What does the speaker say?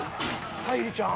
沙莉ちゃん！